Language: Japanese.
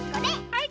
はい！